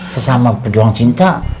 sesama peduang cinta